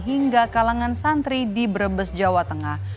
hingga kalangan santri di brebes jawa tengah